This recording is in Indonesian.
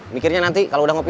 mikirnya nanti kalau udah ngopi